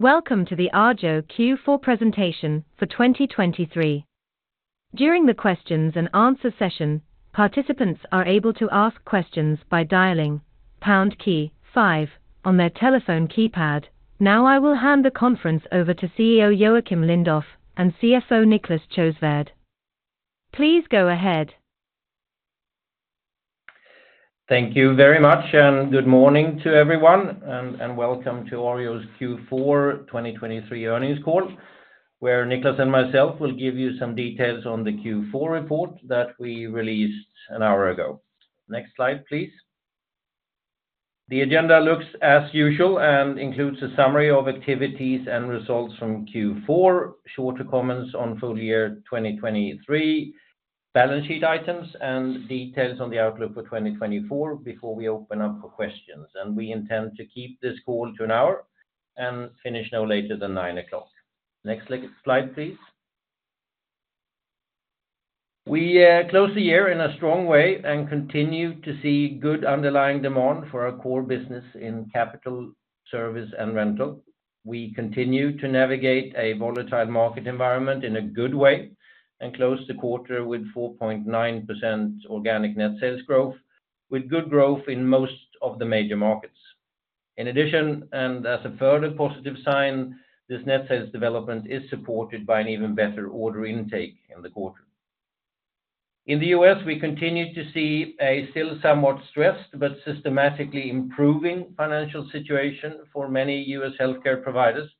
Welcome to the Arjo Q4 presentation for 2023. During the questions and answer session, participants are able to ask questions by dialing pound key five on their telephone keypad. Now, I will hand the conference over to CEO Joacim Lindoff and CFO Niclas Sjöswärd. Please go ahead. Thank you very much, and good morning to everyone, and welcome to Arjo's Q4 2023 earnings call, where Niclas and myself will give you some details on the Q4 report that we released an hour ago. Next slide, please. The agenda looks as usual and includes a summary of activities and results from Q4, shorter comments on full year 2023, balance sheet items, and details on the outlook for 2024 before we open up for questions. We intend to keep this call to an hour and finish no later than 9:00 A.M. Next slide, please. We closed the year in a strong way and continued to see good underlying demand for our core business in capital service and rental. We continue to navigate a volatile market environment in a good way and close the quarter with 4.9% organic net sales growth, with good growth in most of the major markets. In addition, and as a further positive sign, this net sales development is supported by an even better order intake in the quarter. In the U.S., we continue to see a still somewhat stressed but systematically improving financial situation for many U.S. healthcare providers,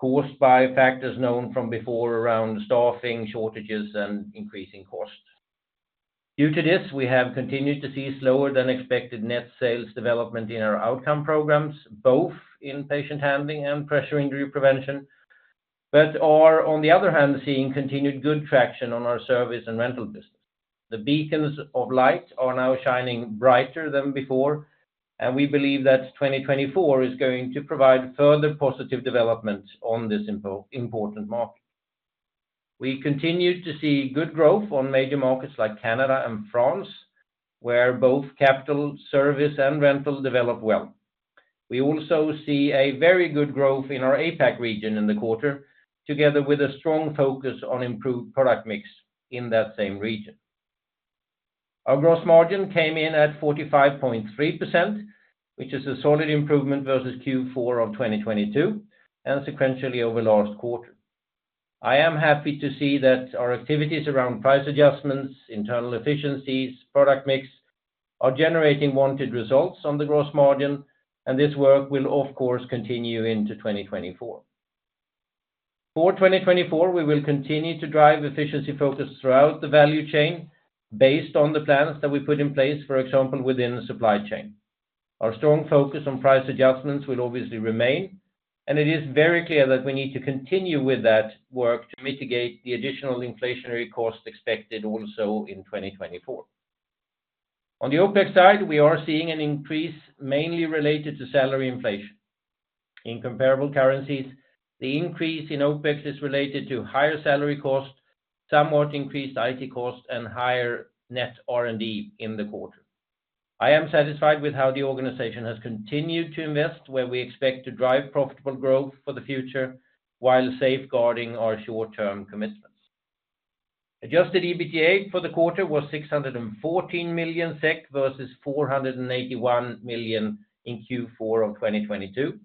caused by factors known from before around staffing shortages and increasing costs. Due to this, we have continued to see slower than expected net sales development in our outcome programs, both in Patient Handling and Pressure Injury Prevention, but are, on the other hand, seeing continued good traction on our service and rental business. The beacons of light are now shining brighter than before, and we believe that 2024 is going to provide further positive development on this important market. We continued to see good growth on major markets like Canada and France, where both capital, service, and rental develop well. We also see a very good growth in our APAC region in the quarter, together with a strong focus on improved product mix in that same region. Our gross margin came in at 45.3%, which is a solid improvement versus Q4 of 2022 and sequentially over last quarter. I am happy to see that our activities around price adjustments, internal efficiencies, product mix, are generating wanted results on the gross margin, and this work will, of course, continue into 2024. For 2024, we will continue to drive efficiency focus throughout the value chain based on the plans that we put in place, for example, within the supply chain. Our strong focus on price adjustments will obviously remain, and it is very clear that we need to continue with that work to mitigate the additional inflationary cost expected also in 2024. On the OpEx side, we are seeing an increase mainly related to salary inflation. In comparable currencies, the increase in OpEx is related to higher salary costs, somewhat increased IT costs, and higher net R&D in the quarter. I am satisfied with how the organization has continued to invest, where we expect to drive profitable growth for the future while safeguarding our short-term commitments. Adjusted EBITDA for the quarter was 614 million SEK versus 481 million in Q4 of 2022,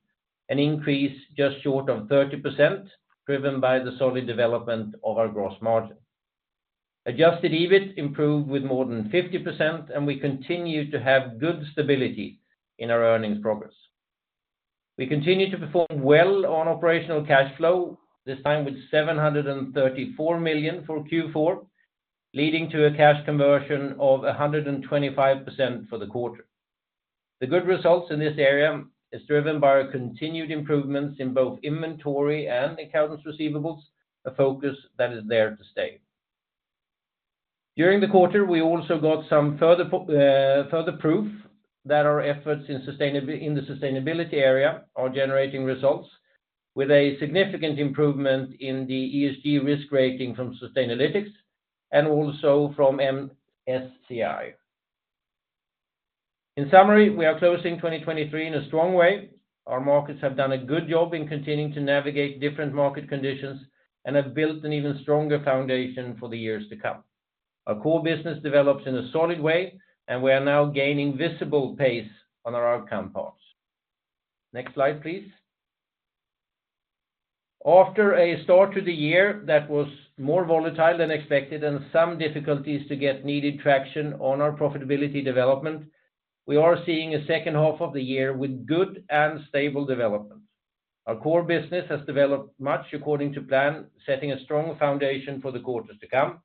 an increase just short of 30%, driven by the solid development of our gross margin. Adjusted EBIT improved with more than 50%, and we continue to have good stability in our earnings progress. We continue to perform well on operational cash flow, this time with 734 million for Q4, leading to a cash conversion of 125% for the quarter. The good results in this area is driven by our continued improvements in both inventory and accounts receivable, a focus that is there to stay. During the quarter, we also got some further proof that our efforts in the sustainability area are generating results with a significant improvement in the ESG risk rating from Sustainalytics and also from MSCI. In summary, we are closing 2023 in a strong way. Our markets have done a good job in continuing to navigate different market conditions and have built an even stronger foundation for the years to come. Our core business develops in a solid way, and we are now gaining visible pace on our outcome parts. Next slide, please. After a start to the year that was more volatile than expected and some difficulties to get needed traction on our profitability development, we are seeing a second half of the year with good and stable development. Our core business has developed much according to plan, setting a strong foundation for the quarters to come,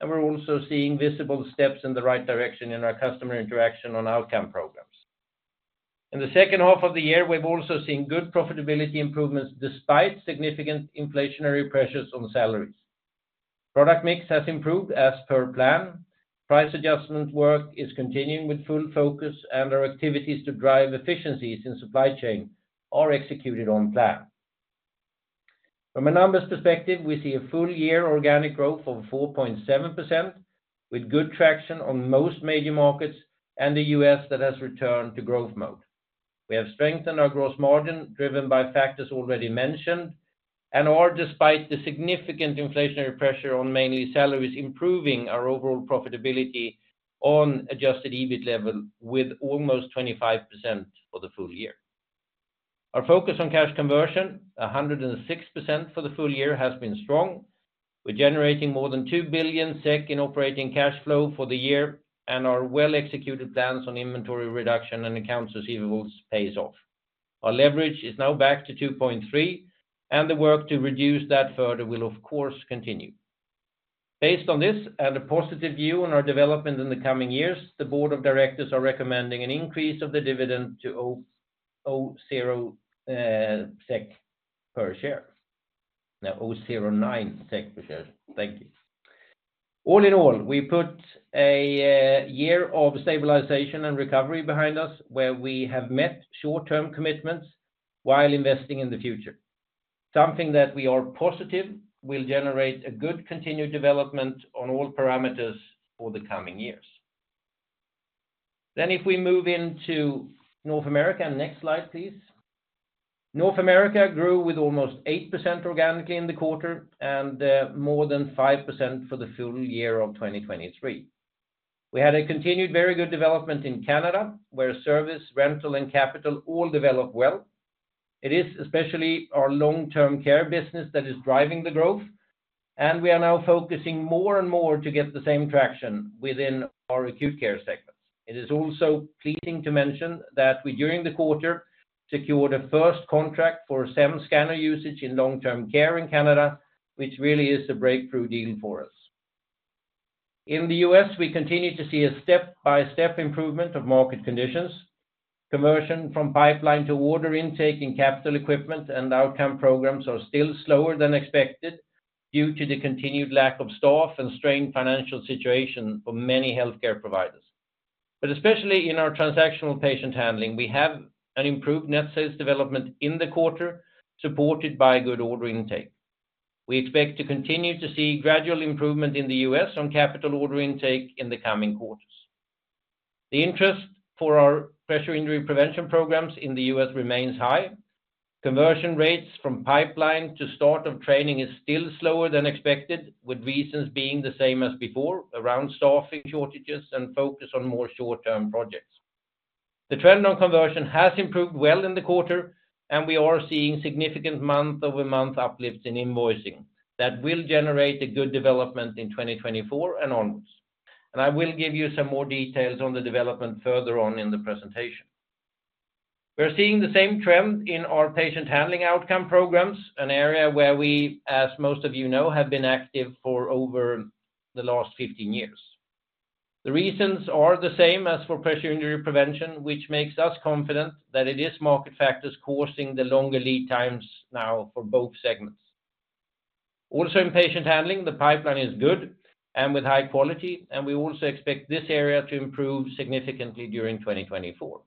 and we're also seeing visible steps in the right direction in our customer interaction on outcome programs. In the second half of the year, we've also seen good profitability improvements despite significant inflationary pressures on salaries. Product mix has improved as per plan. Price adjustment work is continuing with full focus, and our activities to drive efficiencies in supply chain are executed on plan. From a numbers perspective, we see a full year organic growth of 4.7%, with good traction on most major markets and the U.S. that has returned to growth mode. We have strengthened our gross margin, driven by factors already mentioned, and are, despite the significant inflationary pressure on mainly salaries, improving our overall profitability on Adjusted EBIT level with almost 25% for the full year. Our focus on cash conversion, 106% for the full year, has been strong. We're generating more than 2 billion SEK in operating cash flow for the year, and our well-executed plans on inventory reduction and accounts receivables pays off. Our leverage is now back to 2.3, and the work to reduce that further will, of course, continue. Based on this and a positive view on our development in the coming years, the board of directors are recommending an increase of the dividend to 0.09 SEK per share. Thank you. All in all, we put a year of stabilization and recovery behind us, where we have met short-term commitments while investing in the future. Something that we are positive will generate a good continued development on all parameters for the coming years. Then, if we move into North America, next slide, please. North America grew with almost 8% organically in the quarter and more than 5% for the full year of 2023. We had a continued very good development in Canada, where service, rental, and capital all developed well. It is especially our long-term care business that is driving the growth, and we are now focusing more and more to get the same traction within our acute care segments. It is also pleasing to mention that we, during the quarter, secured a first contract for a SEM scanner usage in long-term care in Canada, which really is a breakthrough deal for us. In the U.S., we continue to see a step-by-step improvement of market conditions. Conversion from pipeline to order intake in capital equipment and outcome programs are still slower than expected, due to the continued lack of staff and strained financial situation for many healthcare providers. But especially in our transactional patient handling, we have an improved net sales development in the quarter, supported by good order intake. We expect to continue to see gradual improvement in the U.S. on capital order intake in the coming quarters. The interest for our Pressure Injury Prevention Programs in the U.S. remains high. Conversion rates from pipeline to start of training is still slower than expected, with reasons being the same as before, around staffing shortages and focus on more short-term projects. The trend on conversion has improved well in the quarter, and we are seeing significant month-over-month uplifts in invoicing. That will generate a good development in 2024 and onwards. And I will give you some more details on the development further on in the presentation. We're seeing the same trend in our patient handling outcome programs, an area where we, as most of you know, have been active for over the last 15 years. The reasons are the same as for Pressure Injury Prevention, which makes us confident that it is market factors causing the longer lead times now for both segments. Also, in patient handling, the pipeline is good and with high quality, and we also expect this area to improve significantly during 2024.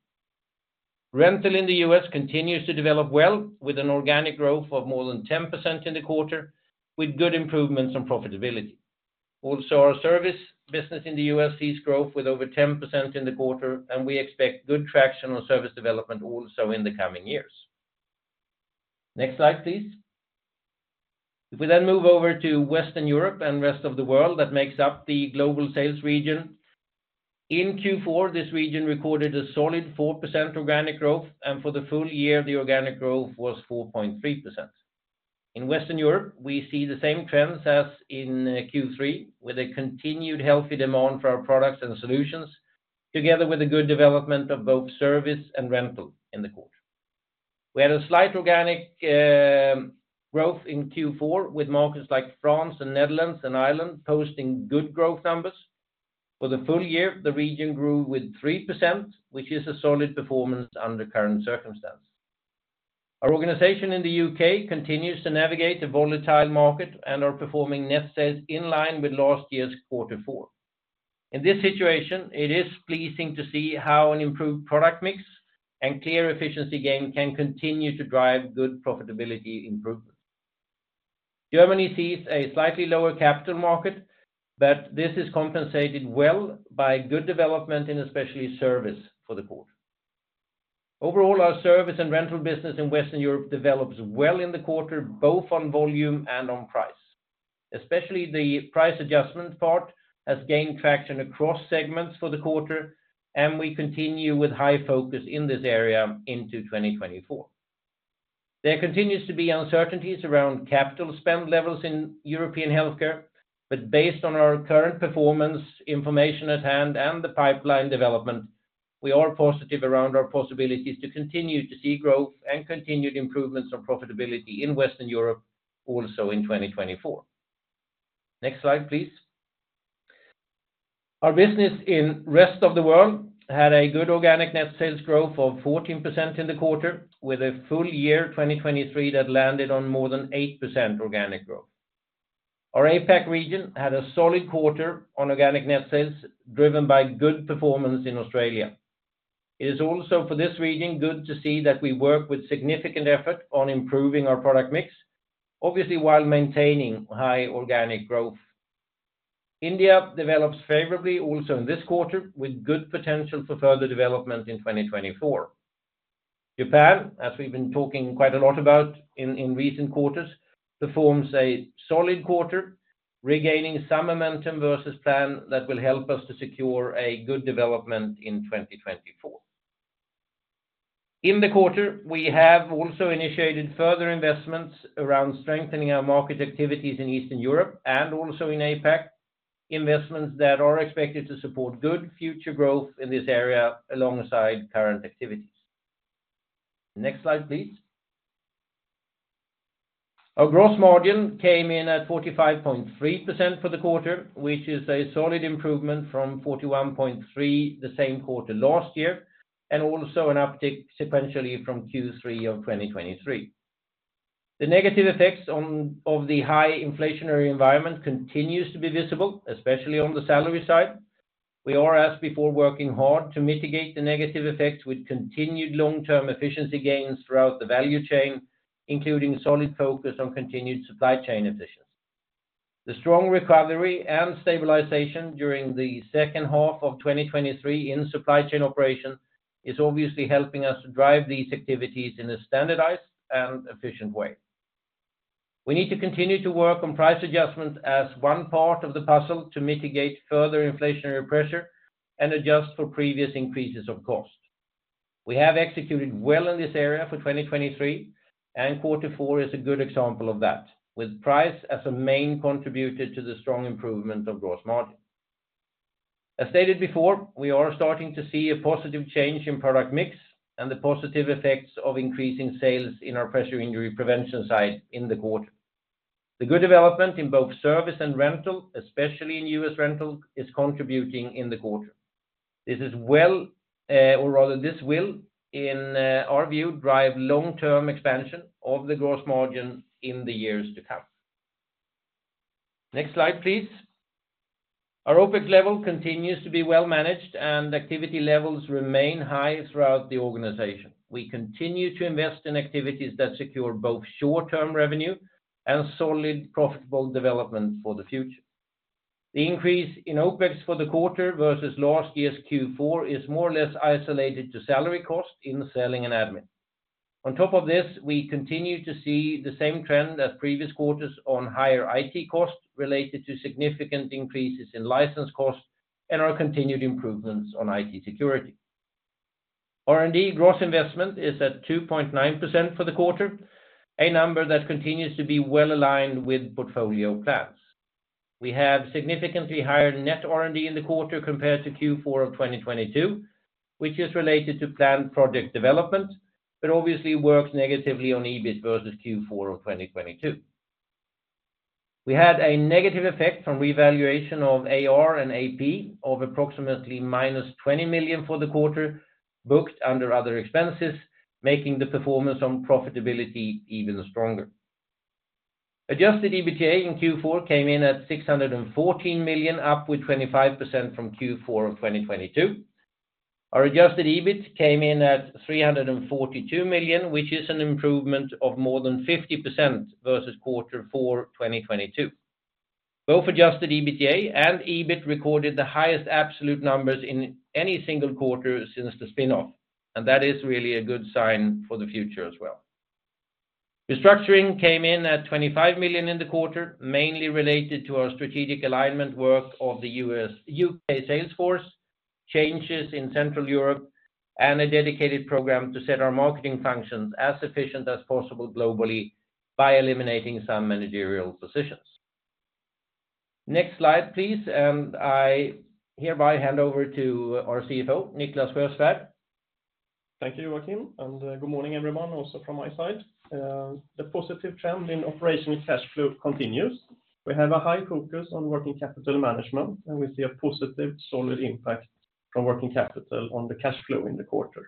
Rental in the US continues to develop well, with an organic growth of more than 10% in the quarter, with good improvements on profitability. Also, our service business in the US sees growth with over 10% in the quarter, and we expect good traction on service development also in the coming years. Next slide, please. If we then move over to Western Europe and rest of the world, that makes up the global sales region. In Q4, this region recorded a solid 4% organic growth, and for the full year, the organic growth was 4.3%. In Western Europe, we see the same trends as in Q3, with a continued healthy demand for our products and solutions, together with a good development of both service and rental in the quarter. We had a slight organic growth in Q4, with markets like France and Netherlands and Ireland posting good growth numbers. For the full year, the region grew with 3%, which is a solid performance under current circumstance. Our organization in the U.K. continues to navigate the volatile market and are performing net sales in line with last year's quarter four. In this situation, it is pleasing to see how an improved product mix and clear efficiency gain can continue to drive good profitability improvement. Germany sees a slightly lower capital market, but this is compensated well by good development in especially service for the quarter. Overall, our service and rental business in Western Europe develops well in the quarter, both on volume and on price. Especially the price adjustment part has gained traction across segments for the quarter, and we continue with high focus in this area into 2024. There continues to be uncertainties around capital spend levels in European healthcare, but based on our current performance, information at hand, and the pipeline development, we are positive around our possibilities to continue to see growth and continued improvements on profitability in Western Europe also in 2024. Next slide, please. Our business in rest of the world had a good organic net sales growth of 14% in the quarter, with a full year 2023 that landed on more than 8% organic growth. Our APAC region had a solid quarter on organic net sales, driven by good performance in Australia. It is also, for this region, good to see that we work with significant effort on improving our product mix, obviously, while maintaining high organic growth. India develops favorably also in this quarter, with good potential for further development in 2024. Japan, as we've been talking quite a lot about in recent quarters, performs a solid quarter, regaining some momentum versus plan that will help us to secure a good development in 2024. In the quarter, we have also initiated further investments around strengthening our market activities in Eastern Europe and also in APAC, investments that are expected to support good future growth in this area alongside current activities. Next slide, please. Our gross margin came in at 45.3% for the quarter, which is a solid improvement from 41.3%, the same quarter last year, and also an uptick sequentially from Q3 of 2023. The negative effects of the high inflationary environment continues to be visible, especially on the salary side. We are, as before, working hard to mitigate the negative effects with continued long-term efficiency gains throughout the value chain, including solid focus on continued supply chain efficiency. The strong recovery and stabilization during the second half of 2023 in supply chain operations is obviously helping us to drive these activities in a standardized and efficient way. We need to continue to work on price adjustments as one part of the puzzle to mitigate further inflationary pressure and adjust for previous increases of cost. We have executed well in this area for 2023, and quarter four is a good example of that, with price as a main contributor to the strong improvement of gross margin. As stated before, we are starting to see a positive change in product mix and the positive effects of increasing sales in our Pressure Injury Prevention side in the quarter. The good development in both service and rental, especially in US rental, is contributing in the quarter. This is well, or rather, this will, in our view, drive long-term expansion of the gross margin in the years to come. Next slide, please. Our OpEx level continues to be well managed, and activity levels remain high throughout the organization. We continue to invest in activities that secure both short-term revenue and solid, profitable development for the future. The increase in OpEx for the quarter versus last year's Q4 is more or less isolated to salary costs in selling and admin. On top of this, we continue to see the same trend as previous quarters on higher IT costs related to significant increases in license costs and our continued improvements on IT security. R&D gross investment is at 2.9% for the quarter, a number that continues to be well aligned with portfolio plans. We have significantly higher net R&D in the quarter compared to Q4 of 2022, which is related to planned project development, but obviously works negatively on EBIT versus Q4 of 2022. We had a negative effect from revaluation of AR and AP of approximately -20 million for the quarter, booked under other expenses, making the performance on profitability even stronger. Adjusted EBITDA in Q4 came in at 614 million, up with 25% from Q4 of 2022. Our adjusted EBIT came in at 342 million, which is an improvement of more than 50% versus quarter four, 2022. Both adjusted EBITDA and EBIT recorded the highest absolute numbers in any single quarter since the spin-off, and that is really a good sign for the future as well. Restructuring came in at 25 million in the quarter, mainly related to our strategic alignment work of the U.S., U.K. sales force, changes in Central Europe, and a dedicated program to set our marketing functions as efficient as possible globally by eliminating some managerial positions. Next slide, please, and I hereby hand over to our CFO, Niclas Sjöswärd. Thank you, Joacim, and good morning, everyone, also from my side. The positive trend in operational cash flow continues. We have a high focus on working capital management, and we see a positive, solid impact from working capital on the cash flow in the quarter.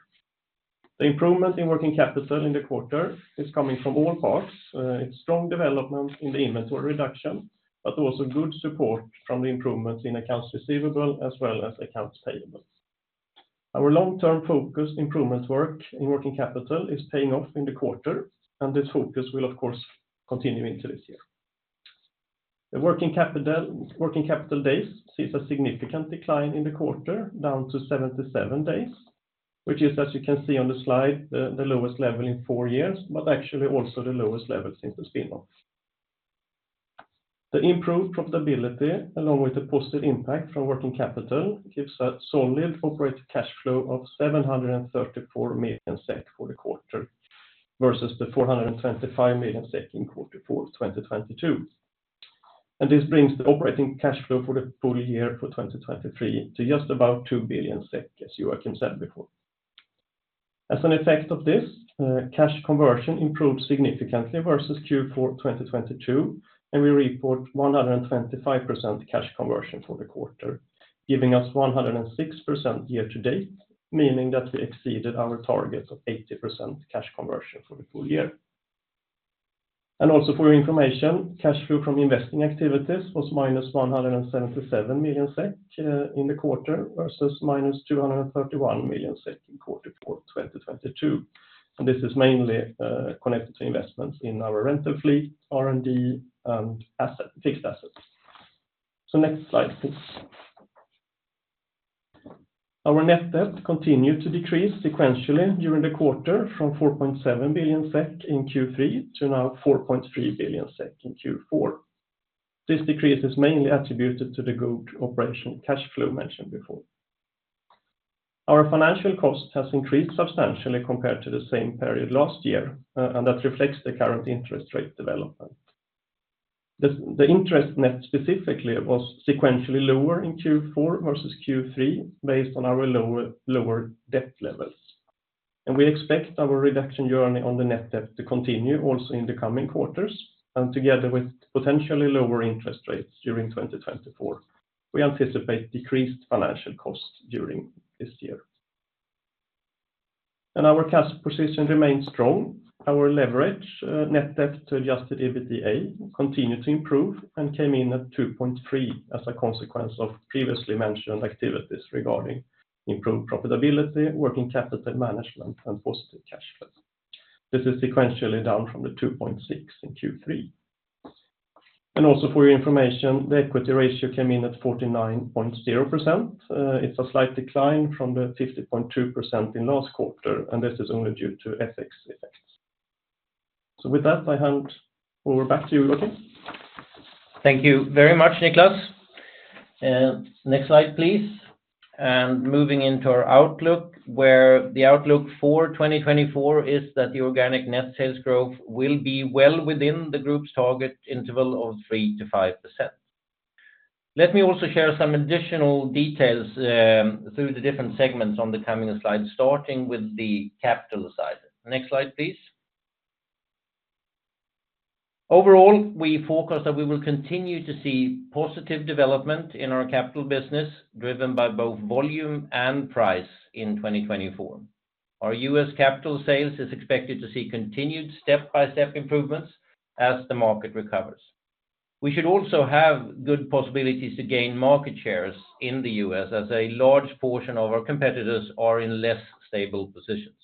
The improvement in working capital in the quarter is coming from all parts. It's strong development in the inventory reduction, but also good support from the improvements in accounts receivable as well as accounts payable. Our long-term focus improvement work in working capital is paying off in the quarter, and this focus will, of course, continue into this year. The working capital, working capital days sees a significant decline in the quarter, down to 77 days, which is, as you can see on the slide, the lowest level in four years, but actually also the lowest level since the spin-off. The improved profitability, along with the positive impact from working capital, gives a solid corporate cash flow of 734 million SEK for the quarter, versus 425 million SEK in Q4 2022. This brings the operating cash flow for the full year for 2023 to just about 2 billion SEK, as Joacim said before. As an effect of this, cash conversion improved significantly versus Q4 2022, and we report 125% cash conversion for the quarter, giving us 106% year to date, meaning that we exceeded our targets of 80% cash conversion for the full year. Also for your information, cash flow from investing activities was -177 million SEK in the quarter, versus -231 million SEK in Q4 2022. This is mainly connected to investments in our rental fleet, R&D, and fixed assets. So next slide, please. Our net debt continued to decrease sequentially during the quarter from 4.7 billion SEK in Q3 to now 4.3 billion SEK in Q4. This decrease is mainly attributed to the good operational cash flow mentioned before. Our financial cost has increased substantially compared to the same period last year, and that reflects the current interest rate development. The interest net specifically was sequentially lower in Q4 versus Q3, based on our lower debt levels. And we expect our reduction journey on the net debt to continue also in the coming quarters, and together with potentially lower interest rates during 2024, we anticipate decreased financial costs during this year. And our cash position remains strong. Our leverage, net debt to Adjusted EBITDA, continued to improve and came in at 2.3 as a consequence of previously mentioned activities regarding improved profitability, working capital management, and positive cash flow. This is sequentially down from the 2.6 in Q3. Also for your information, the equity ratio came in at 49.0%. It's a slight decline from the 50.2% in last quarter, and this is only due to FX effects. So with that, I hand over back to you, Joacim. Thank you very much, Niclas. Next slide, please. Moving into our outlook, where the outlook for 2024 is that the organic net sales growth will be well within the group's target interval of 3%-5%. Let me also share some additional details through the different segments on the coming slides, starting with the capital side. Next slide, please. Overall, we forecast that we will continue to see positive development in our capital business, driven by both volume and price in 2024. Our U.S. capital sales is expected to see continued step-by-step improvements as the market recovers. We should also have good possibilities to gain market shares in the U.S., as a large portion of our competitors are in less stable positions.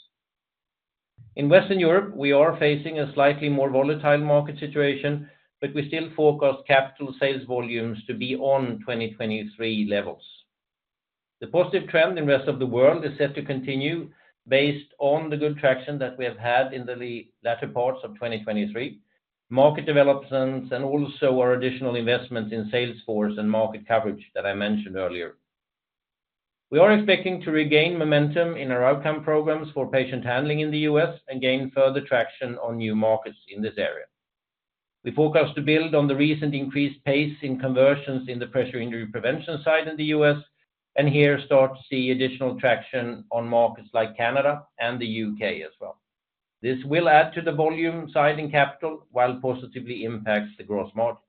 In Western Europe, we are facing a slightly more volatile market situation, but we still forecast capital sales volumes to be on 2023 levels. The positive trend in rest of the world is set to continue based on the good traction that we have had in the latter parts of 2023, market developments, and also our additional investments in sales force and market coverage that I mentioned earlier. We are expecting to regain momentum in our outcome programs for patient handling in the U.S. and gain further traction on new markets in this area. We forecast to build on the recent increased pace in conversions in the Pressure Injury Prevention side in the U.S., and here start to see additional traction on markets like Canada and the U.K. as well. This will add to the volume side in capital, while positively impacts the gross margin.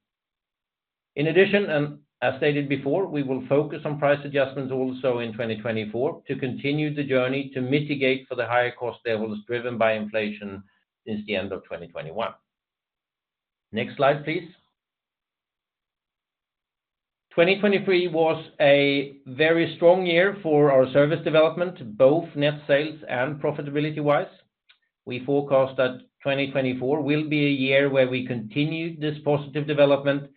In addition, and as stated before, we will focus on price adjustments also in 2024 to continue the journey to mitigate for the higher cost levels driven by inflation since the end of 2021. Next slide, please. 2023 was a very strong year for our service development, both net sales and profitability-wise. We forecast that 2024 will be a year where we continue this positive development,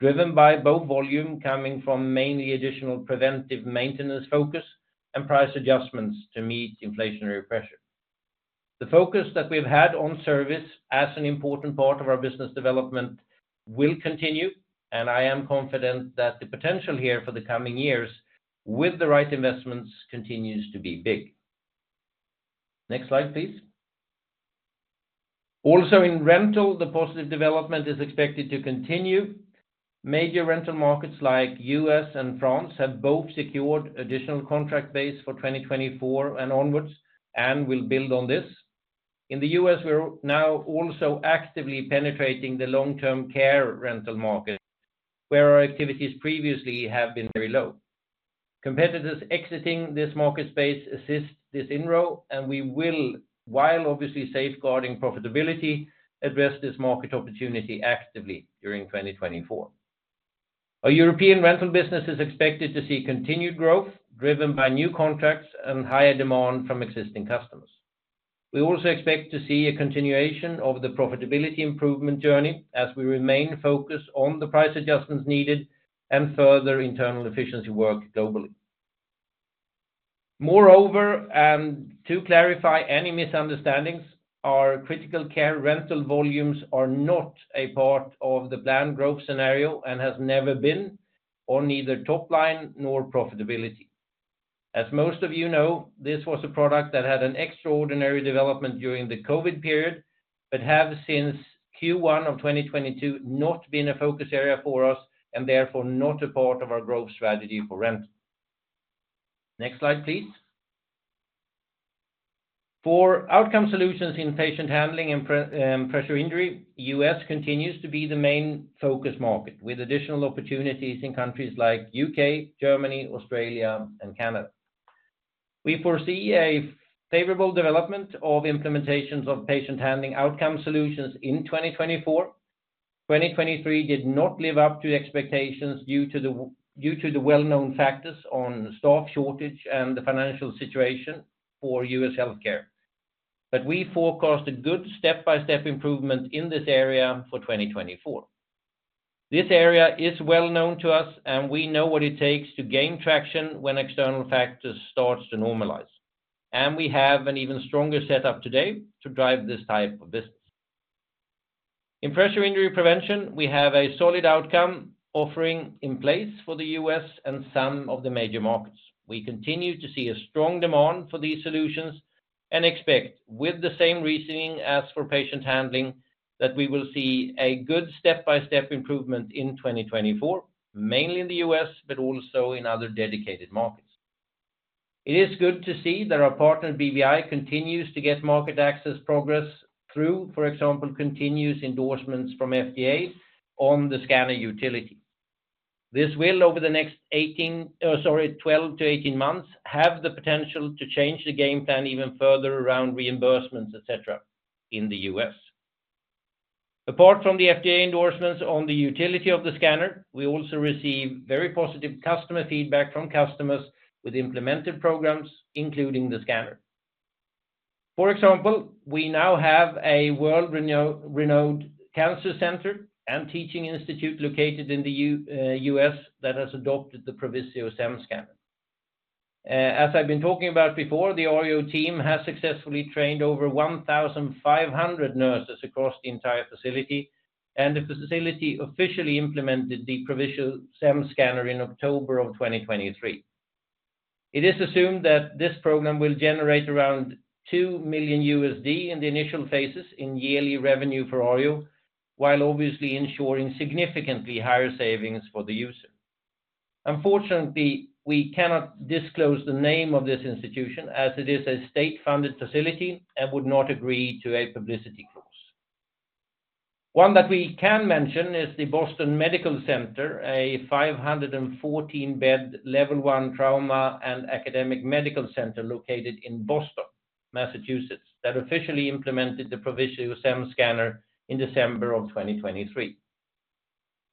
driven by both volume coming from mainly additional preventive maintenance focus and price adjustments to meet inflationary pressure. The focus that we've had on service as an important part of our business development will continue, and I am confident that the potential here for the coming years with the right investments continues to be big. Next slide, please. Also in rental, the positive development is expected to continue. Major rental markets like U.S. and France have both secured additional contract base for 2024 and onwards, and will build on this. In the U.S., we're now also actively penetrating the long-term care rental market, where our activities previously have been very low. Competitors exiting this market space assist this in Arjo, and we will, while obviously safeguarding profitability, address this market opportunity actively during 2024. Our European rental business is expected to see continued growth, driven by new contracts and higher demand from existing customers. We also expect to see a continuation of the profitability improvement journey as we remain focused on the price adjustments needed and further internal efficiency work globally. Moreover, and to clarify any misunderstandings, our critical care rental volumes are not part of the planned growth scenario and has never been on neither top line nor profitability. As most of you know, this was a product that had an extraordinary development during the COVID period, but have since Q1 of 2022, not been a focus area for us, and therefore not a part of our growth strategy for rental. Next slide, please. For outcome solutions in patient handling and pressure injury, U.S. continues to be the main focus market, with additional opportunities in countries like U.K., Germany, Australia, and Canada. We foresee a favorable development of implementations of patient handling outcome solutions in 2024. 2023 did not live up to expectations due to the, due to the well-known factors on staff shortage and the financial situation for U.S. healthcare. But we forecast a good step-by-step improvement in this area for 2024. This area is well known to us, and we know what it takes to gain traction when external factors starts to normalize, and we have an even stronger setup today to drive this type of business. In Pressure Injury Prevention, we have a solid outcome offering in place for the U.S. and some of the major markets. We continue to see a strong demand for these solutions and expect, with the same reasoning as for patient handling, that we will see a good step-by-step improvement in 2024, mainly in the U.S., but also in other dedicated markets. It is good to see that our partner, BBI, continues to get market access progress through, for example, continuous endorsements from FDA on the scanner utility. This will, over the next 18, 12 to 18 months, have the potential to change the game plan even further around reimbursements, et cetera, in the U.S. Apart from the FDA endorsements on the utility of the scanner, we also receive very positive customer feedback from customers with implemented programs, including the scanner. For example, we now have a world-renowned cancer center and teaching institute located in the U.S. that has adopted the Provizio SEM Scanner. As I've been talking about before, the Arjo team has successfully trained over 1,500 nurses across the entire facility, and the facility officially implemented the Provizio SEM Scanner in October 2023. It is assumed that this program will generate around $2 million in the initial phases in yearly revenue for Arjo, while obviously ensuring significantly higher savings for the user. Unfortunately, we cannot disclose the name of this institution, as it is a state-funded facility and would not agree to a publicity clause. One that we can mention is the Boston Medical Center, a 514-bed, Level I trauma and academic medical center located in Boston, Massachusetts, that officially implemented the Provizio SEM Scanner in December 2023.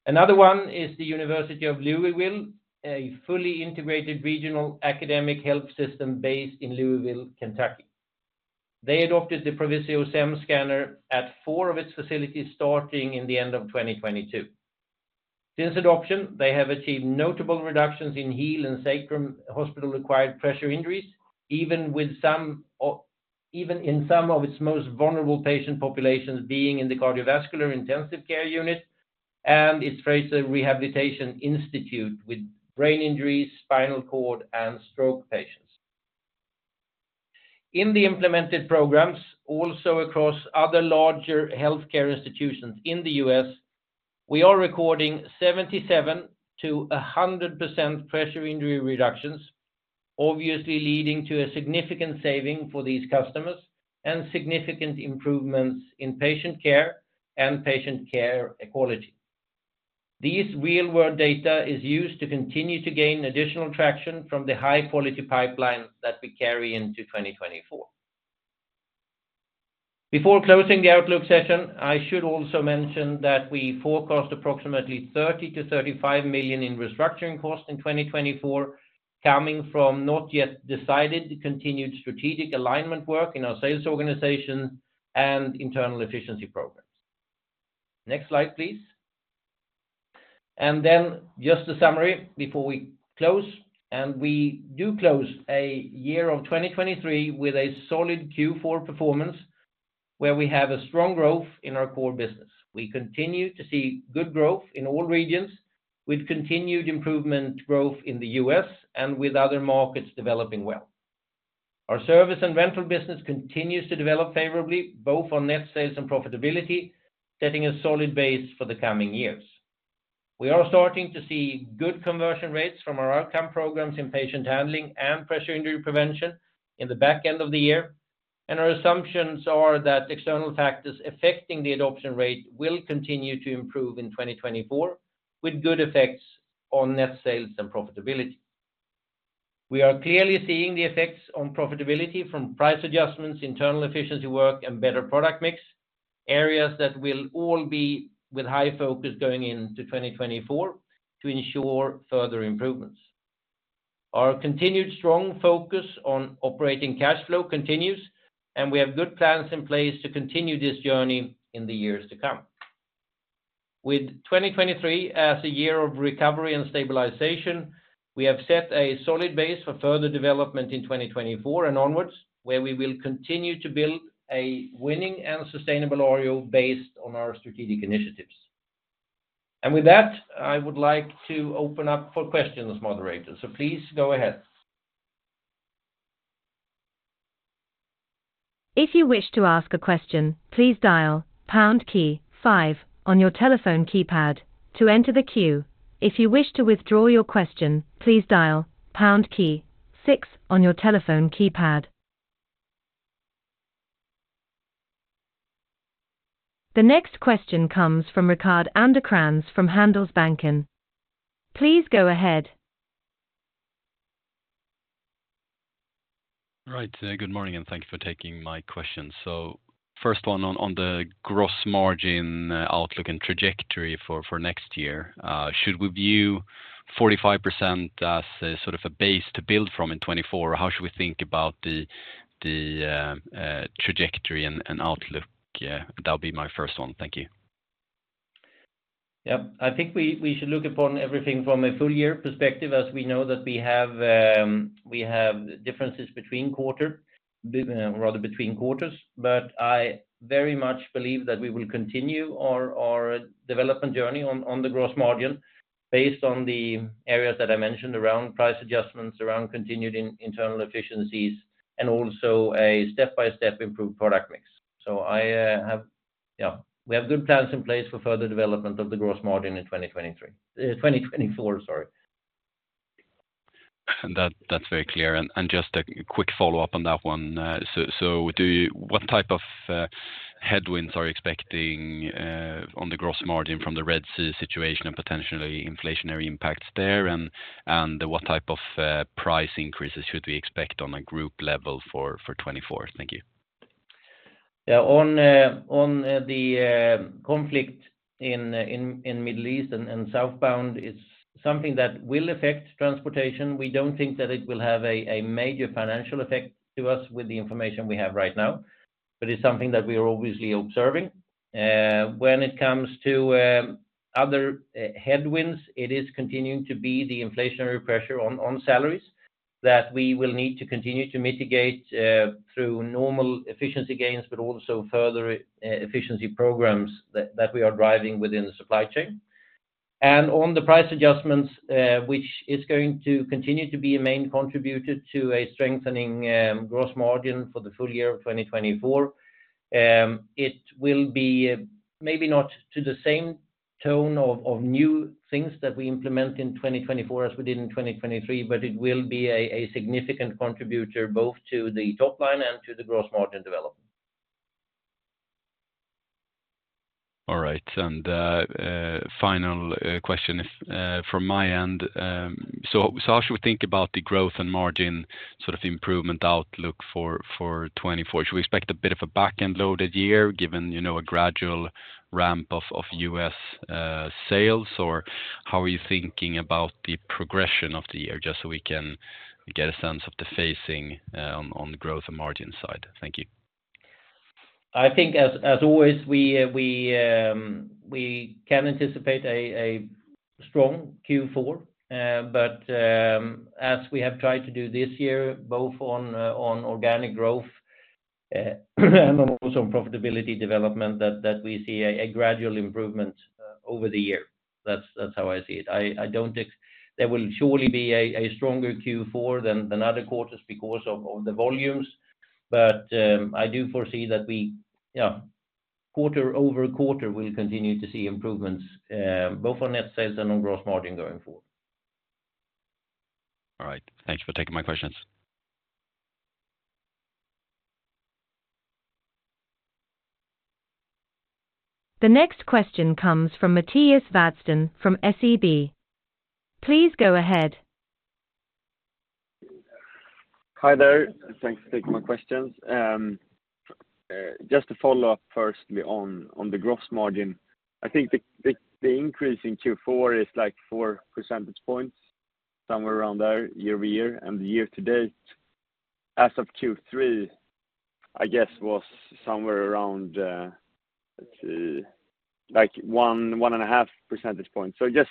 Another one is the University of Louisville, a fully integrated regional academic health system based in Louisville, Kentucky. They adopted the Provizio SEM Scanner at 4 of its facilities, starting in the end of 2022. Since adoption, they have achieved notable reductions in heel and sacrum hospital-acquired pressure injuries, even in some of its most vulnerable patient populations being in the cardiovascular intensive care unit and its Frazier Rehabilitation Institute with brain injuries, spinal cord, and stroke patients. In the implemented programs, also across other larger healthcare institutions in the U.S., we are recording 77%-100% pressure injury reductions, obviously leading to a significant saving for these customers and significant improvements in patient care and patient care equality. These real-world data is used to continue to gain additional traction from the high-quality pipelines that we carry into 2024. Before closing the outlook session, I should also mention that we forecast approximately 30-35 million in restructuring costs in 2024, coming from not yet decided continued strategic alignment work in our sales organization and internal efficiency programs. Next slide, please. And then just a summary before we close, and we do close a year of 2023 with a solid Q4 performance, where we have a strong growth in our core business. We continue to see good growth in all regions, with continued improvement growth in the U.S. and with other markets developing well. Our service and rental business continues to develop favorably, both on net sales and profitability, setting a solid base for the coming years. We are starting to see good conversion rates from our outcome programs in Patient Handling and Pressure Injury Prevention in the back end of the year. Our assumptions are that external factors affecting the adoption rate will continue to improve in 2024, with good effects on net sales and profitability. We are clearly seeing the effects on profitability from price adjustments, internal efficiency work, and better product mix, areas that will all be with high focus going into 2024 to ensure further improvements. Our continued strong focus on operating cash flow continues, and we have good plans in place to continue this journey in the years to come. With 2023 as a year of recovery and stabilization, we have set a solid base for further development in 2024 and onwards, where we will continue to build a winning and sustainable Arjo based on our strategic initiatives. With that, I would like to open up for questions, moderator, so please go ahead. If you wish to ask a question, please dial pound key five on your telephone keypad to enter the queue. If you wish to withdraw your question, please dial pound key six on your telephone keypad. The next question comes from Rickard Anderkrans from Handelsbanken. Please go ahead. Right. Good morning, and thank you for taking my question. So first one on the gross margin, outlook and trajectory for next year. Should we view 45% as sort of a base to build from in 2024, or how should we think about the trajectory and outlook? Yeah, that'll be my first one. Thank you. Yep. I think we, we should look upon everything from a full year perspective, as we know that we have, we have differences between quarter, rather between quarters. But I very much believe that we will continue our, our development journey on, on the gross margin based on the areas that I mentioned around price adjustments, around continued internal efficiencies, and also a step-by-step improved product mix. So I, have, yeah, we have good plans in place for further development of the gross margin in 2023, 2024, sorry. That, that's very clear. And just a quick follow-up on that one. So, do you, what type of headwinds are you expecting on the gross margin from the Red Sea situation and potentially inflationary impacts there? And what type of price increases should we expect on a group level for 2024? Thank you. Yeah, on the conflict in the Middle East and Southbound is something that will affect transportation. We don't think that it will have a major financial effect to us with the information we have right now, but it's something that we are obviously observing. When it comes to other headwinds, it is continuing to be the inflationary pressure on salaries that we will need to continue to mitigate through normal efficiency gains, but also further efficiency programs that we are driving within the supply chain. On the price adjustments, which is going to continue to be a main contributor to a strengthening gross margin for the full year of 2024, it will be maybe not to the same tone of new things that we implement in 2023, but it will be a significant contributor both to the top line and to the gross margin development. All right. And final question from my end. So how should we think about the growth and margin sort of improvement outlook for 2024? Should we expect a bit of a back-end loaded year, given, you know, a gradual ramp of U.S. sales? Or how are you thinking about the progression of the year, just so we can get a sense of the phasing on growth and margin side? Thank you. I think as always, we can anticipate a strong Q4, but as we have tried to do this year, both on organic growth and also on profitability development, that we see a gradual improvement over the year. That's how I see it. There will surely be a stronger Q4 than other quarters because of the volumes. But I do foresee that we, yeah, quarter-over-quarter, we'll continue to see improvements both on net sales and on gross margin going forward. All right. Thanks for taking my questions. The next question comes from Mattias Vadsten from SEB. Please go ahead. Hi there. Thanks for taking my questions. Just to follow up, firstly, on the gross margin. I think the increase in Q4 is like 4% points, somewhere around there, year-over-year, and the year-to-date, as of Q3, I guess, was somewhere around, like 1.5% point. So just,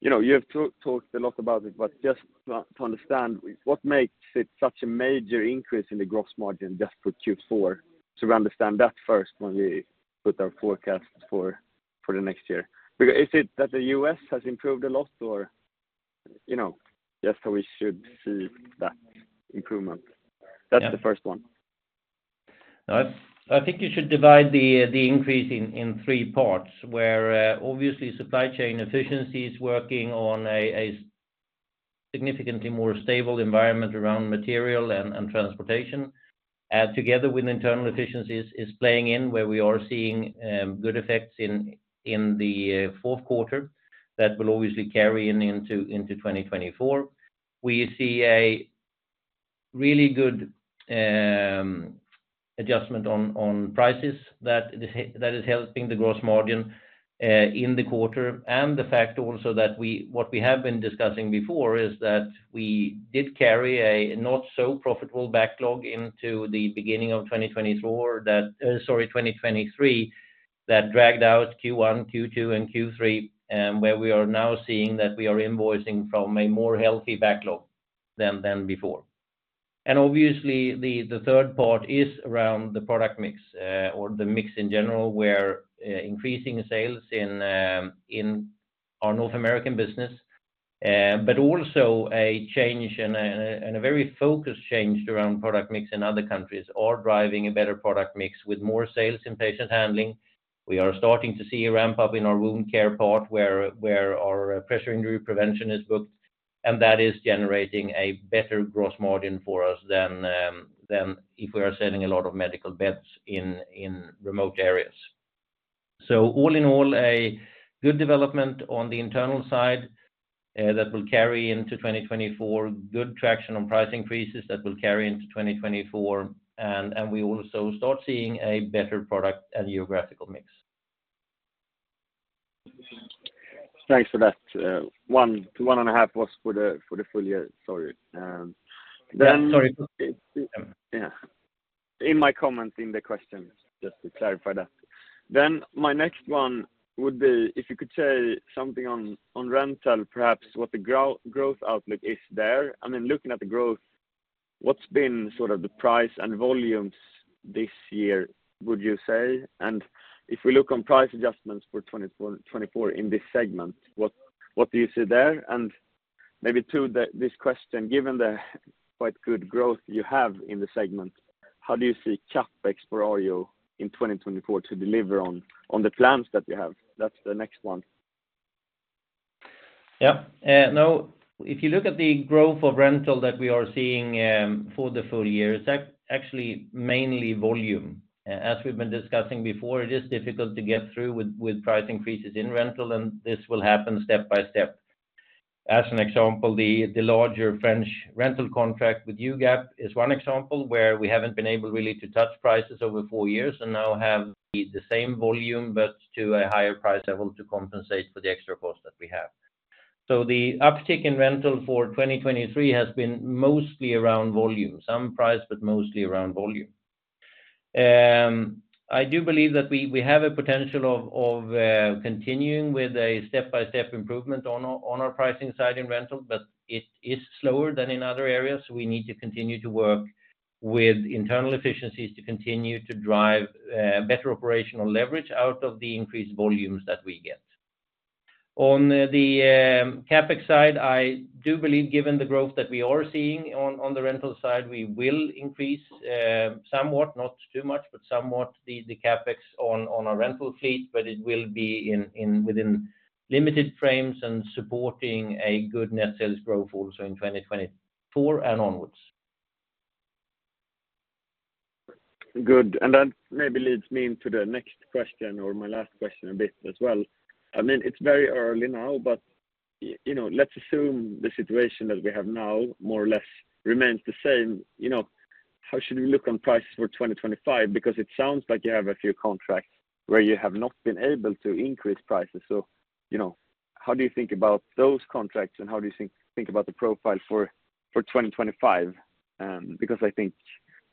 you know, you have talked a lot about it, but just to understand, what makes it such a major increase in the gross margin just for Q4? To understand that first when we put our forecast for the next year. Because is it that the U.S. has improved a lot, or, you know, just how we should see that improvement? That's the first one. I think you should divide the increase in three parts, where obviously supply chain efficiency is working on a significantly more stable environment around material and transportation. Together with internal efficiencies is playing in, where we are seeing good effects in the fourth quarter that will obviously carry into 2024. We see a really good adjustment on prices that is helping the gross margin in the quarter. And the fact also that what we have been discussing before is that we did carry a not so profitable backlog into the beginning of 2024 that, sorry, 2023, that dragged out Q1, Q2, and Q3, where we are now seeing that we are invoicing from a more healthy backlog than before. Obviously, the third part is around the product mix, or the mix in general, where increasing sales in our North American business, but also a change and a very focused change around product mix in other countries, or driving a better product mix with more sales in patient handling. We are starting to see a ramp-up in our wound care part, where our Pressure Injury Prevention is booked, and that is generating a better gross margin for us than if we are selling a lot of medical beds in remote areas. All in all, a good development on the internal side that will carry into 2024. Good traction on price increases that will carry into 2024, and we also start seeing a better product and geographical mix. Thanks for that. 1 to 1.5 was for the, for the full year, sorry. Then- Sorry. Yeah. In my comment, in the question, just to clarify that. Then my next one would be if you could say something on rental, perhaps what the growth outlook is there. I mean, looking at the growth, what's been sort of the price and volumes this year, would you say? And if we look on price adjustments for 2024 in this segment, what do you see there? And maybe to this question, given the quite good growth you have in the segment, how do you see CapEx for Arjo in 2024 to deliver on the plans that you have? That's the next one. Yeah. Now, if you look at the growth of rental that we are seeing for the full year, it's actually mainly volume. As we've been discussing before, it is difficult to get through with price increases in rental, and this will happen step by step. As an example, the larger French rental contract with UGAP is one example where we haven't been able really to touch prices over four years and now have the same volume, but to a higher price level to compensate for the extra cost that we have. So the uptick in rental for 2023 has been mostly around volume, some price, but mostly around volume. I do believe that we have a potential of continuing with a step-by-step improvement on our pricing side in rental, but it is slower than in other areas. We need to continue to work with internal efficiencies to continue to drive better operational leverage out of the increased volumes that we get. On the CapEx side, I do believe, given the growth that we are seeing on the rental side, we will increase somewhat, not too much, but somewhat, the CapEx on our rental fleet, but it will be within limited frames and supporting a good net sales growth also in 2024 and onwards. Good. And that maybe leads me into the next question or my last question a bit as well. I mean, it's very early now, but you know, let's assume the situation that we have now, more or less, remains the same. You know, how should we look on prices for 2025? Because it sounds like you have a few contracts where you have not been able to increase prices. So, you know, how do you think about those contracts, and how do you think about the profile for 2025? Because I think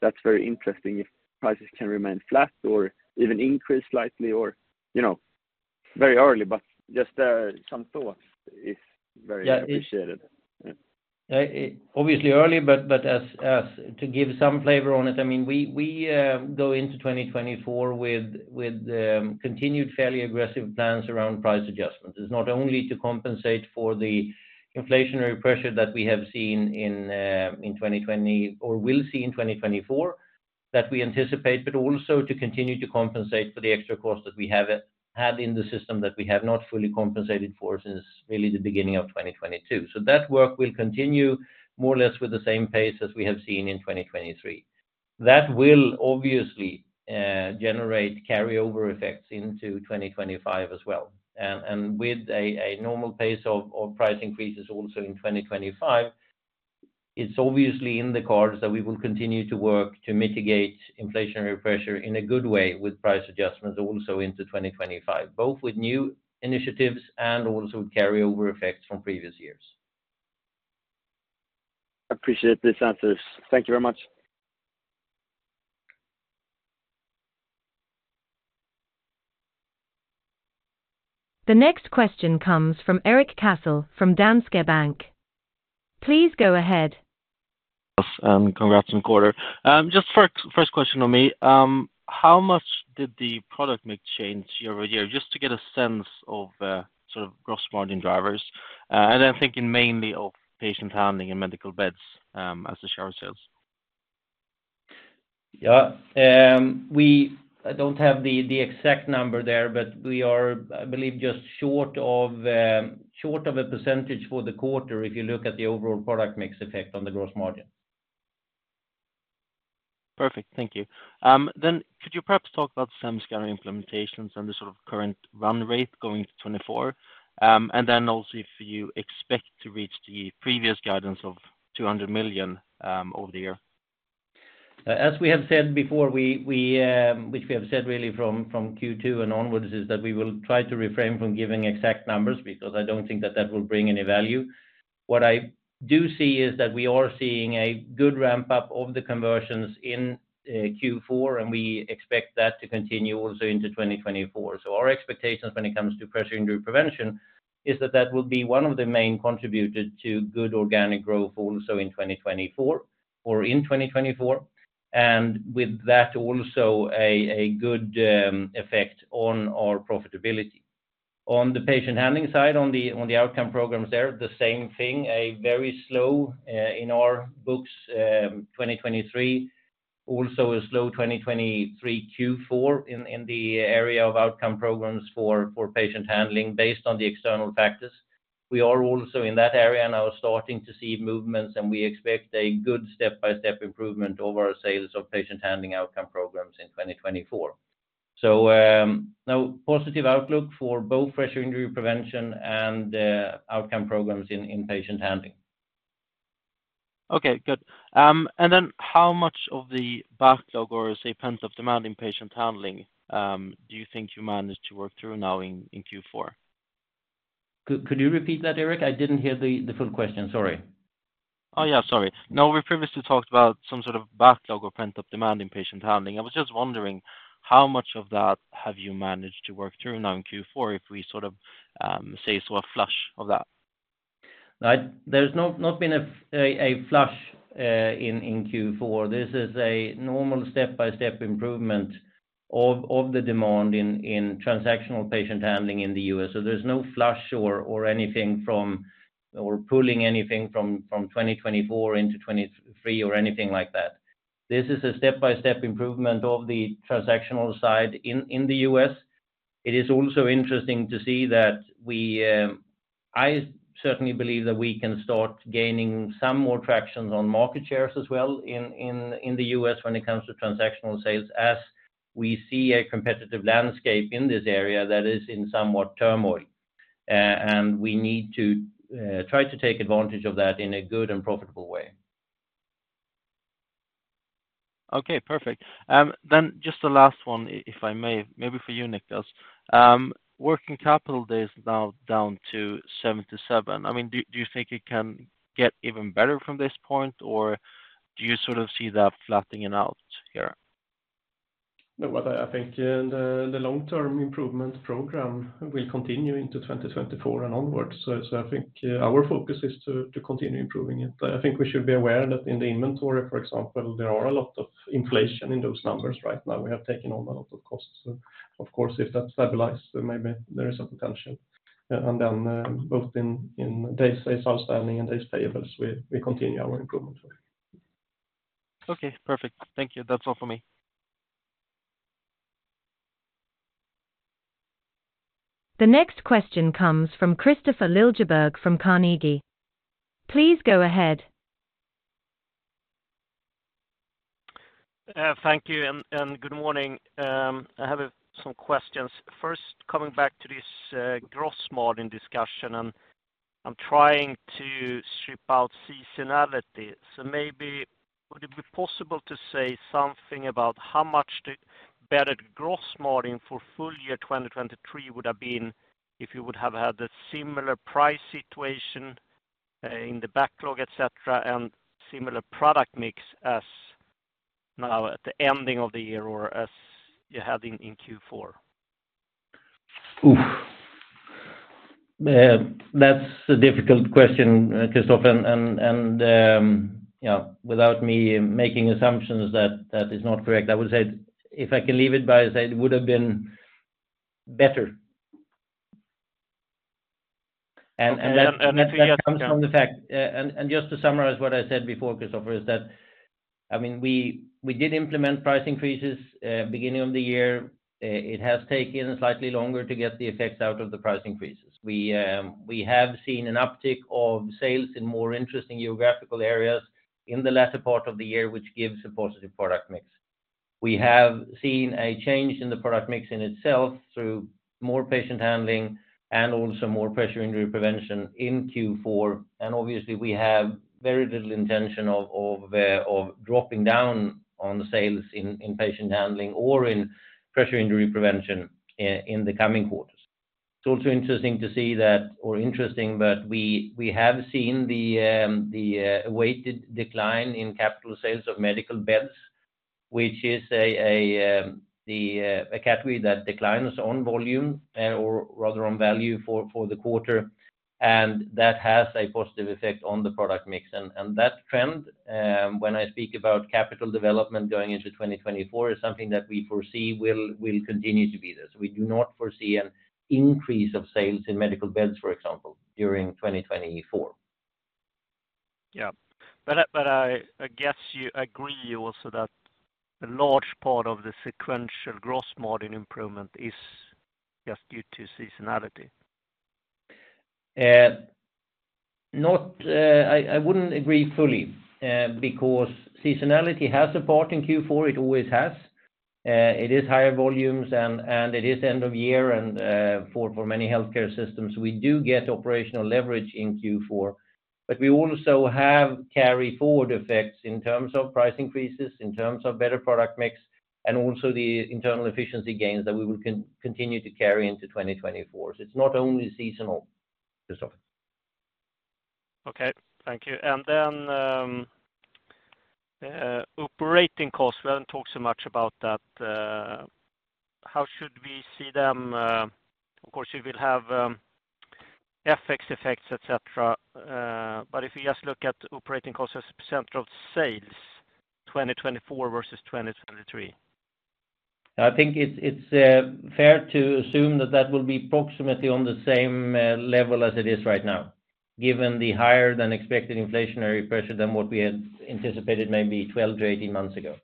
that's very interesting, if prices can remain flat or even increase slightly or, you know, very early, but just some thoughts is very appreciated. Yeah, it obviously early, but as to give some flavor on it, I mean, we go into 2024 with continued fairly aggressive plans around price adjustments. It's not only to compensate for the inflationary pressure that we have seen in 2020 or will see in 2024, that we anticipate, but also to continue to compensate for the extra costs that we have had in the system that we have not fully compensated for since really the beginning of 2022. So that work will continue more or less with the same pace as we have seen in 2023. That will obviously generate carryover effects into 2025 as well. And with a normal pace of price increases also in 2025, it's obviously in the cards that we will continue to work to mitigate inflationary pressure in a good way with price adjustments also into 2025, both with new initiatives and also carryover effects from previous years. I appreciate these answers. Thank you very much. The next question comes from Eric Cassel from Danske Bank. Please go ahead. Congrats on the quarter. Just for a first question on me, how much did the product mix change year-over-year? Just to get a sense of sort of gross margin drivers, and I'm thinking mainly of patient handling and medical beds as the short sales. Yeah. We, I don't have the exact number there, but we are, I believe, just short of a percentage for the quarter, if you look at the overall product mix effect on the gross margin. Perfect. Thank you. Could you perhaps talk about some scanner implementations and the sort of current run rate going to 2024? Then also if you expect to reach the previous guidance of 200 million over the year? As we have said before, which we have said really from Q2 and onwards, is that we will try to refrain from giving exact numbers because I don't think that that will bring any value. What I do see is that we are seeing a good ramp-up of the conversions in Q4, and we expect that to continue also into 2024. So our expectations when it comes to Pressure Injury Prevention is that that will be one of the main contributors to good organic growth also in 2024, or in 2024. And with that, also a good effect on our profitability. On the patient handling side, on the outcome programs there, the same thing, a very slow in our books 2023. also a slow 2023 Q4 in, in the area of outcome programs for, for patient handling based on the external factors. We are also in that area now starting to see movements, and we expect a good step-by-step improvement over our sales of patient handling outcome programs in 2024. So, now positive outlook for both Pressure Injury Prevention and the outcome programs in, in patient handling. Okay, good. And then how much of the backlog or, say, pent-up demand in patient handling, do you think you managed to work through now in Q4? Could you repeat that, Eric? I didn't hear the full question, sorry. Oh, yeah, sorry. Now, we previously talked about some sort of backlog or pent-up demand in patient handling. I was just wondering, how much of that have you managed to work through now in Q4, if we sort of, say, saw a flush of that? There's not been a flush in Q4. This is a normal step-by-step improvement of the demand in transactional patient handling in the U.S. So there's no flush or anything from pulling anything from 2024 into 2023 or anything like that. This is a step-by-step improvement of the transactional side in the U.S. It is also interesting to see that I certainly believe that we can start gaining some more tractions on market shares as well in the U.S. when it comes to transactional sales, as we see a competitive landscape in this area that is in somewhat turmoil. And we need to try to take advantage of that in a good and profitable way. Okay, perfect. Then just the last one, if I may, maybe for you, Niclas. Working capital days is now down to 77. I mean, do you think it can get even better from this point, or do you sort of see that flattening out here? No, but I think the long-term improvement program will continue into 2024 and onwards. So I think our focus is to continue improving it. I think we should be aware that in the inventory, for example, there are a lot of inflation in those numbers right now. We have taken on a lot of costs. Of course, if that stabilize, then maybe there is some potential. And then both in days outstanding and days payables, we continue our improvement work. Okay, perfect. Thank you. That's all for me. The next question comes from Christopher Liljeberg from Carnegie. Please go ahead. Thank you, and good morning. I have some questions. First, coming back to this gross margin discussion, and I'm trying to strip out seasonality. So maybe would it be possible to say something about how much the better gross margin for full year 2023 would have been if you would have had a similar price situation in the backlog, et cetera, and similar product mix as now at the ending of the year or as you had in Q4? Oof! That's a difficult question, Christopher, and, you know, without me making assumptions that that is not correct, I would say if I can leave it by, say, it would have been better. Okay, and if you just- And that comes from the fact, and just to summarize what I said before, Christopher, is that, I mean, we did implement price increases beginning of the year. It has taken slightly longer to get the effects out of the price increases. We have seen an uptick of sales in more interesting geographical areas in the latter part of the year, which gives a positive product mix. We have seen a change in the product mix in itself through more patient handling and also more Pressure Injury Prevention in Q4. And obviously, we have very little intention of dropping down on the sales in patient handling or in Pressure Injury Prevention in the coming quarters. It's also interesting to see that, or interesting, but we have seen the weighted decline in capital sales of medical beds, which is a category that declines on volume, or rather on value for the quarter, and that has a positive effect on the product mix. And that trend, when I speak about capital development going into 2024, is something that we foresee will continue to be this. We do not foresee an increase of sales in medical beds, for example, during 2024. Yeah. But I guess you agree also that a large part of the sequential gross margin improvement is just due to seasonality. Not, I wouldn't agree fully, because seasonality has a part in Q4. It always has. It is higher volumes, and it is end of year, and for many healthcare systems, we do get operational leverage in Q4. But we also have carry forward effects in terms of price increases, in terms of better product mix, and also the internal efficiency gains that we will continue to carry into 2024. It's not only seasonal, Christopher. Okay, thank you. And then, operating costs, we haven't talked so much about that. How should we see them, of course, you will have, FX effects, et cetera, but if you just look at operating costs as a % of sales, 2024 versus 2023? I think it's fair to assume that that will be approximately on the same level as it is right now, given the higher than expected inflationary pressure than what we had anticipated maybe 12-18 months ago.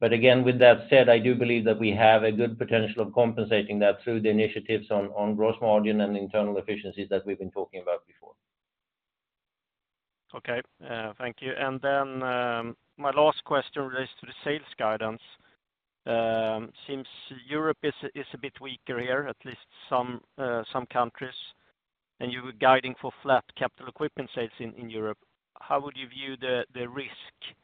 But again, with that said, I do believe that we have a good potential of compensating that through the initiatives on gross margin and internal efficiencies that we've been talking about before. Okay, thank you. And then, my last question relates to the sales guidance. Seems Europe is a bit weaker here, at least some countries, and you were guiding for flat capital equipment sales in Europe. How would you view the risk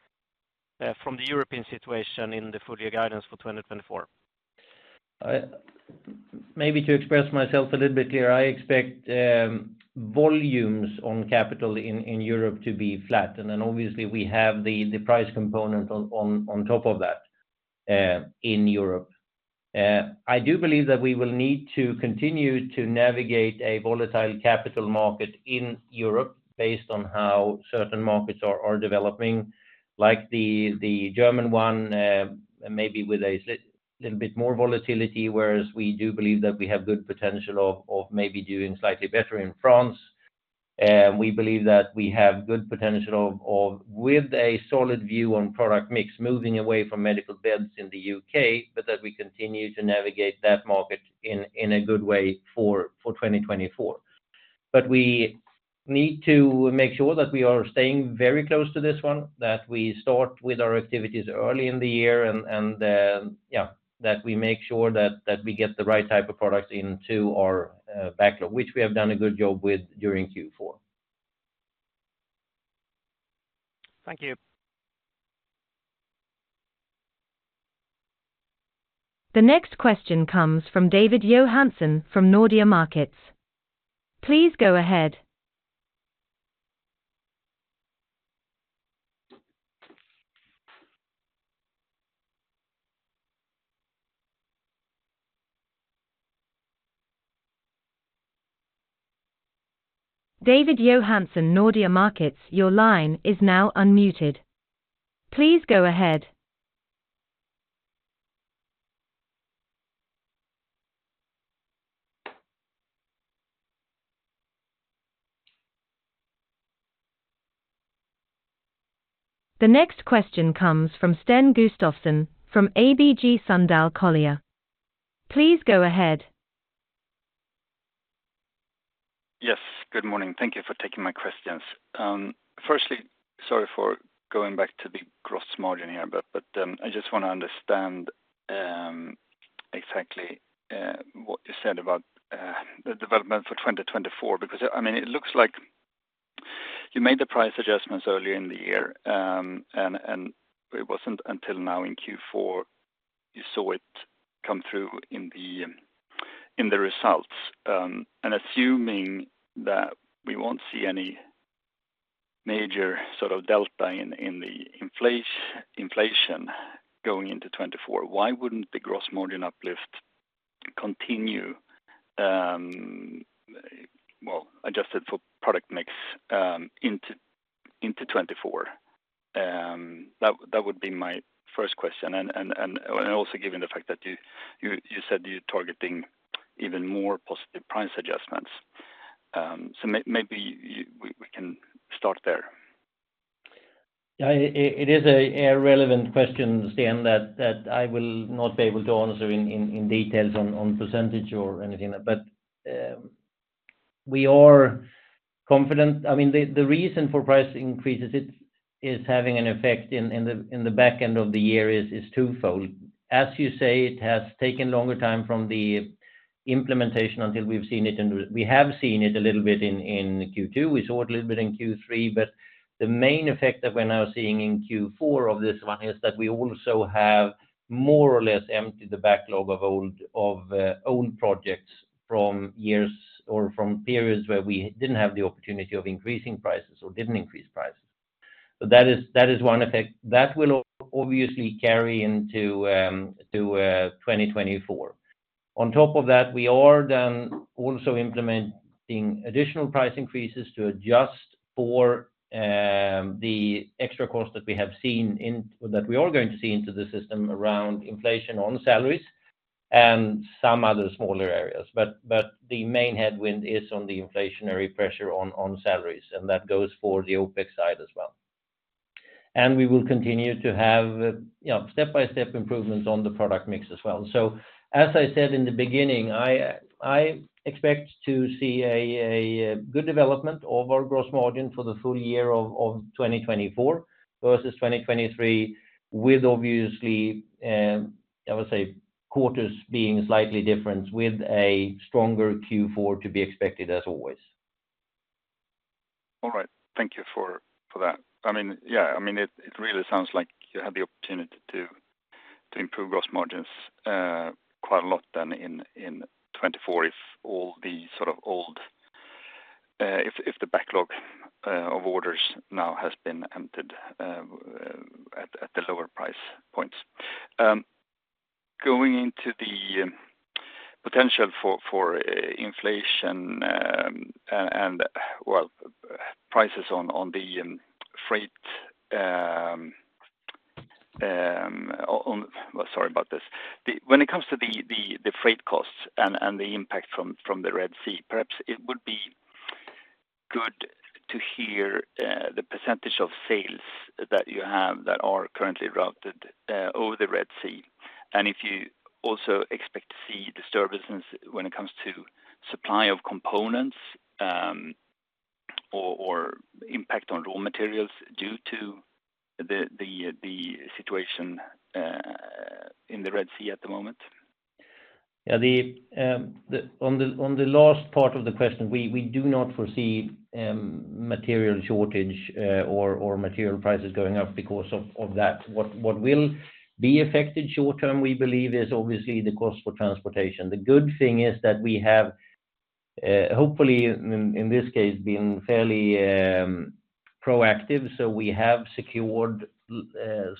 from the European situation in the full year guidance for 2024? Maybe to express myself a little bit clearer, I expect volumes on capital in Europe to be flat. And then obviously, we have the price component on top of that in Europe. I do believe that we will need to continue to navigate a volatile capital market in Europe based on how certain markets are developing, like Germany, maybe with a little bit more volatility, whereas we do believe that we have good potential of maybe doing slightly better in France. We believe that we have good potential of with a solid view on product mix, moving away from medical beds in the U.K., but that we continue to navigate that market in a good way for 2024. But we need to make sure that we are staying very close to this one, that we start with our activities early in the year, and yeah, that we make sure that we get the right type of products into our backlog, which we have done a good job with during Q4. Thank you. The next question comes from David Johansson from Nordea Markets. Please go ahead. David Johansson, Nordea Markets, your line is now unmuted. Please go ahead. The next question comes from Sten Gustafsson from ABG Sundal Collier. Please go ahead. Yes, good morning. Thank you for taking my questions. Firstly, sorry for going back to the gross margin here, but I just want to understand exactly what you said about the development for 2024, because, I mean, it looks like you made the price adjustments earlier in the year, and it wasn't until now in Q4, you saw it come through in the results. And assuming that we won't see any major sort of delta in the inflation going into 2024, why wouldn't the gross margin uplift continue, well, adjusted for product mix, into 2024? That would be my first question, and also given the fact that you said you're targeting even more positive price adjustments. Maybe we can start there. Yeah, it is a relevant question, Sten, that I will not be able to answer in details on percentage or anything like that. But, we are confident. I mean, the reason for price increases is having an effect in the back end of the year is twofold. As you say, it has taken longer time from the implementation until we've seen it, and we have seen it a little bit in Q2. We saw it a little bit in Q3, but the main effect that we're now seeing in Q4 of this one is that we also have more or less emptied the backlog of old projects from years or from periods where we didn't have the opportunity of increasing prices or didn't increase prices. So that is one effect. That will obviously carry into 2024. On top of that, we are then also implementing additional price increases to adjust for the extra cost that we have seen in that we are going to see into the system around inflation on salaries and some other smaller areas. But the main headwind is on the inflationary pressure on salaries, and that goes for the OpEx side as well. And we will continue to have, you know, step-by-step improvements on the product mix as well. So as I said in the beginning, I expect to see a good development of our gross margin for the full year of 2024 versus 2023, with obviously, I would say, quarters being slightly different, with a stronger Q4 to be expected as always. All right. Thank you for that. I mean, yeah, I mean, it really sounds like you have the opportunity to improve gross margins quite a lot than in 2024, if all the sort of old if the backlog of orders now has been emptied at the lower price points. Going into the potential for inflation and well, prices on the freight, well, sorry about this. When it comes to the freight costs and the impact from the Red Sea, perhaps it would be good to hear the percentage of sales that you have that are currently routed over the Red Sea. If you also expect to see disturbances when it comes to supply of components, or impact on raw materials due to the situation in the Red Sea at the moment? Yeah, the on the last part of the question, we do not foresee material shortage or material prices going up because of that. What will be affected short term, we believe, is obviously the cost for transportation. The good thing is that we have hopefully, in this case, been fairly proactive, so we have secured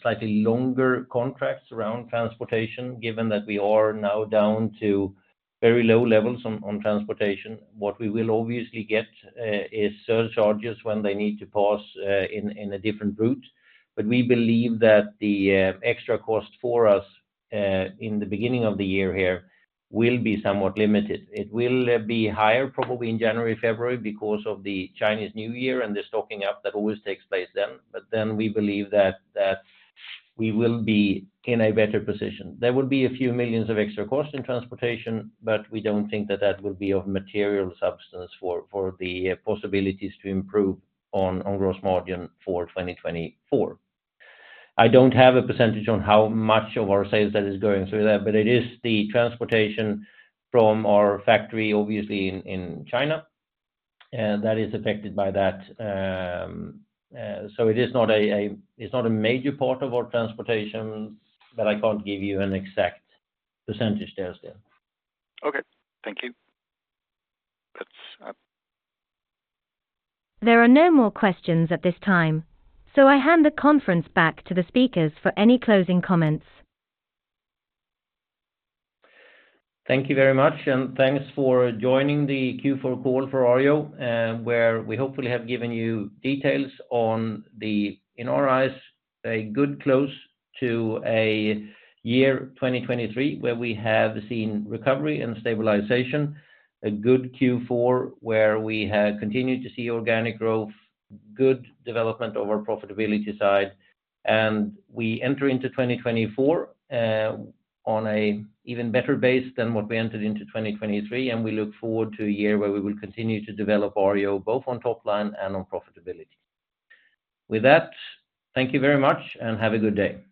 slightly longer contracts around transportation, given that we are now down to very low levels on transportation. What we will obviously get is surcharges when they need to pass in a different route. But we believe that the extra cost for us in the beginning of the year here will be somewhat limited. It will be higher probably in January, February, because of the Chinese New Year and the stocking up that always takes place then. But then we believe that, that we will be in a better position. There will be a few million SEK of extra costs in transportation, but we don't think that that will be of material substance for, for the possibilities to improve on, on gross margin for 2024. I don't have a percentage on how much of our sales that is going through that, but it is the transportation from our factory, obviously, in, in China, that is affected by that. So it is not a, it's not a major part of our transportation, but I can't give you an exact percentage there still. Okay, thank you. That's There are no more questions at this time, so I hand the conference back to the speakers for any closing comments. Thank you very much, and thanks for joining the Q4 call for Arjo, where we hopefully have given you details on the, in our eyes, a good close to a year 2023, where we have seen recovery and stabilization, a good Q4, where we have continued to see organic growth, good development over our profitability side. And we enter into 2024, on a even better base than what we entered into 2023, and we look forward to a year where we will continue to develop Arjo, both on top line and on profitability. With that, thank you very much and have a good day.